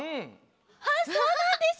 あっそうなんですか！